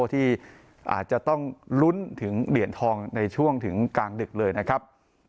ที่อาจจะต้องลุ้นถึงเหรียญทองในช่วงถึงกลางดึกเลยนะครับ